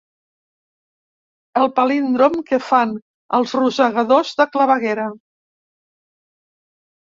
El palíndrom que fan els rosegadors de claveguera.